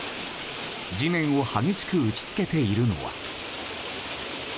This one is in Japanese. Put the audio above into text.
地面を激しく打ち付けているのは。